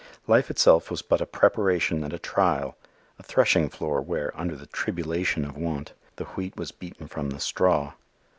Life itself was but a preparation and a trial a threshing floor where, under the "tribulation" of want, the wheat was beaten from the straw.